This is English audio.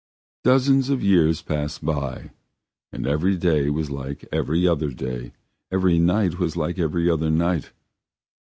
Dozens of years passed by, and every day was like every other day, every night was like every other night.